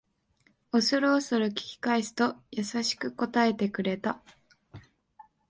おそるおそる聞き返すと優しく答えてくれた